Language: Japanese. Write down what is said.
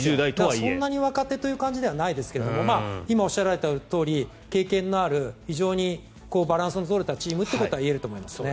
そんなに若手という感じではないですが今、おっしゃられたとおり経験のある非常にバランスの取れたチームということは言えると思います。